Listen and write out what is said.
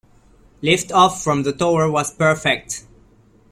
Lift-off from the tower was perfect.